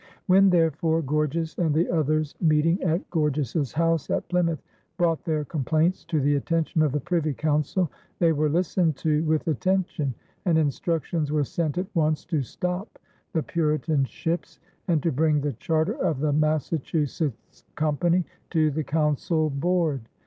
When, therefore, Gorges and the others meeting at Gorges's house at Plymouth brought their complaints to the attention of the Privy Council, they were listened to with attention, and instructions were sent at once to stop the Puritan ships and to bring the charter of the Massachusetts Company to the Council board.